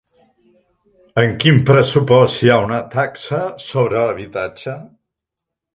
En quin pressupost hi ha una taxa sobre l'habitatge?